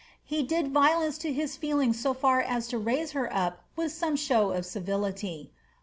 He did violence to his feelings so far as to raise her up with some show of civility.